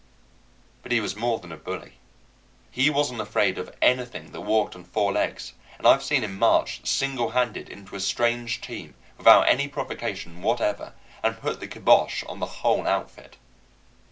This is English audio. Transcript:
But he was more than a bully. He wasn't afraid of anything that walked on four legs; and I've seen him march, single handed, into a strange team, without any provocation whatever, and put the kibosh on the whole outfit.